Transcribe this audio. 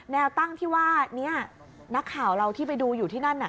แนวตั้งที่ว่านี้นักข่าวเราที่ไปดูอยู่ที่นั่นน่ะ